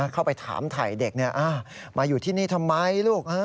เข้าไปถามถ่ายเด็กมาอยู่ที่นี่ทำไมลูก